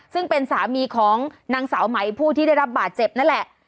ซึ่งเป็นสามีของนางสาวไหมผู้ที่ได้รับบาดเจ็บนั่นแหละ